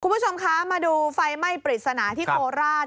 คุณผู้ชมคะมาดูไฟไหม้ปริศนาที่โคราช